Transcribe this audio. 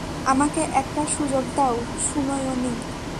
আমাকে একটা সুযোগ দাও সুনয়নী।